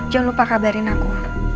jangan lupa kabarin aku